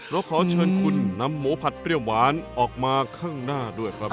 เราขอเชิญคุณนำหมูผัดเปรี้ยวหวานออกมาข้างหน้าด้วยครับ